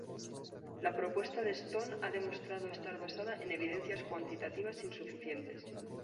La propuesta de Stone ha demostrado estar basada en evidencias cuantitativas insuficientes.